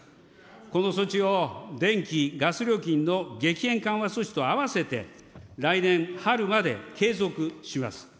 この措置を電気・ガス料金の激変緩和措置とあわせて来年春まで継続します。